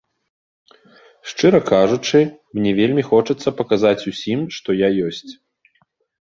Шчыра кажучы, мне вельмі хочацца паказаць усім, што я ёсць.